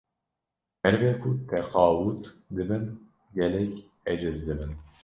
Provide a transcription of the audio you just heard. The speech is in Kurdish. merivê ku teqewût dibin gelek eciz dibin